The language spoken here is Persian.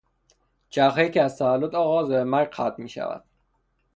چرخهای که از تولد آغاز و به مرگ ختم میشود